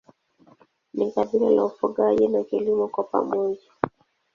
Ni kabila la ufugaji na kilimo kwa pamoja.